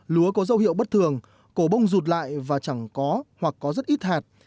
lúa có dấu hiệu bất thường cổ bông rụt lại và chẳng có hoặc có rất ít hạt